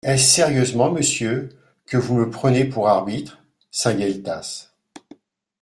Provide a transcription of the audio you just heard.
Est-ce sérieusement, monsieur, que vous me prenez pour arbitre ? SAINT-GUELTAS.